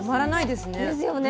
ですよね。